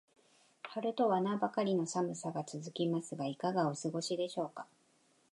春とは名ばかりの寒さが続きますが、いかがお過ごしでしょうか。